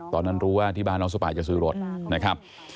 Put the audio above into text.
ตอนนั้นรู้ว่าที่บ้านน้องสปายจะซื้อรถนะครับ